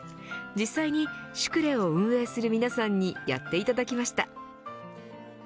実際にＳｕｃｌｅを運営する皆さんにやっていただきました。